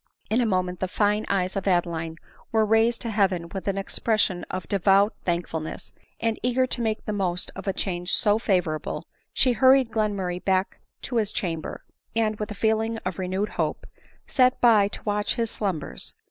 In a moment the fine eyes of Adeline were raised to heaven with an expression of devout thankfulness ; and eager to make the most of a change so favorable, she hurried Glenmurray back to his chamber, and, with a feeling of renewed hope, sat by to watch his slumbers.